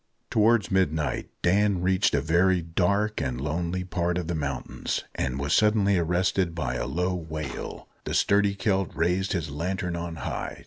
Towards midnight Dan reached a very dark and lonely part of the mountains, and was suddenly arrested by a low wail. The sturdy Celt raised his lantern on high.